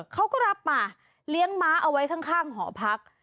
เขาก็รับมาเลี้ยงม้าเอาไว้ข้างหอพัก